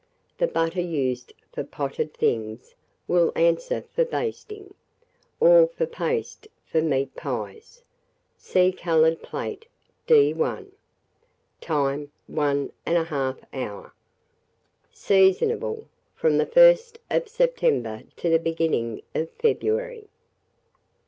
The butter used for potted things will answer for basting, or for paste for meat pies. See coloured plate, D1. Time. 1 1/2 hour. Seasonable from the 1st of September to the beginning of February.